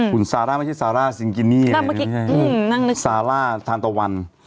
คุณซาร่าไม่ใช่ซาร่าซิงกินี่ซาร่าทานตะวัน